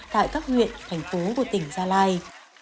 tại các huyện thành phố của tỉnh gia lai